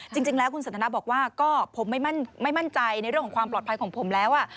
จริงแล้วคุณสันทนาบอกว่าก็ผมไม่มั่นใจในเรื่องของความปลอดภัยของผมแล้ว